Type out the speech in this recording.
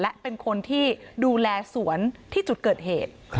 และเป็นคนที่ดูแลสวนที่จุดเกิดเหตุ